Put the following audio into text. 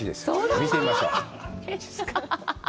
見てみましょう。